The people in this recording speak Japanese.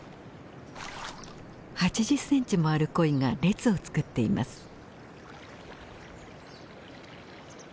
８０ｃｍもあるコイが列を作っています。